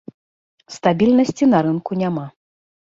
Стабільнасці на рынку няма.